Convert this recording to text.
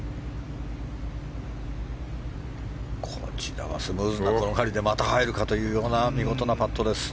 こちらはスムーズな転がりでまた入るのかというような見事なパットです。